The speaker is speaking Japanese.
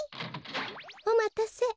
おまたせ。